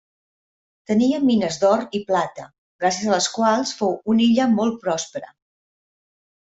Tenia mines d'or i plata, gràcies a les quals fou una illa molt prospera.